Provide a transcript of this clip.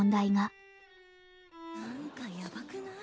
なんかやばくない？